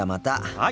はい。